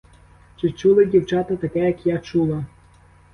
Чи чули, дівчата, таке, як я чула?